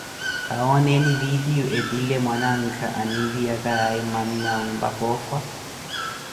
Khawooneni vidio etile mwanankha animpiyakaaye mannawe mpaka oofwa ?